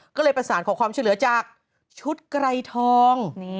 ก็เลยประสานขอความช่วยเหลือจากชุดไกรทอง